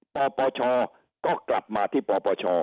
ปปชก็กลับมาที่ปปช